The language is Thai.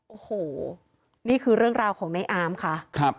โอ้โหนี่คือเรื่องราวของในอามค่ะ